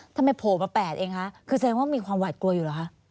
โผล่มา๘เองคะคือแสดงว่ามีความหวัดกลัวอยู่เหรอคะ